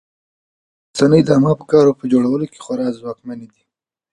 رسنۍ د عامه افکارو په جوړولو کې خورا ځواکمنې دي.